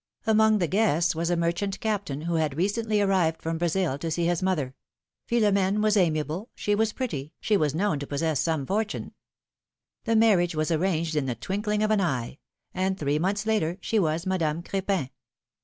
Among the guests was a merchant captain, who had recently arrived from Brazil to see his mother ; Philom^ne was amiable, she was pretty, she was known to possess some fortune. The marriage was arranged in the twinkling of an eye; and three months later she was Madame Cr^pin.